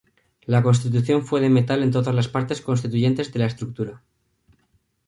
La construcción fue de metal en todas las partes constituyentes de la estructura.